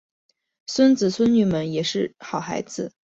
孙子孙女们也都是好孩子